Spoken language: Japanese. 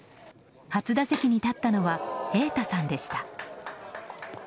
初打席に立ったのは瑛太さんでした。